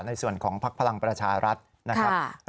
ในส่วนของพักพลังประชารัฐนะครับ